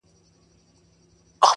خو درد پاته کيږي،